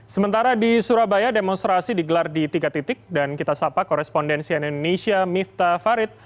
sementara di surabaya demonstrasi digelar di tiga titik dan kita sapa korespondensian indonesia miftah farid